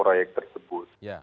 bagaimana perusahaan tersebut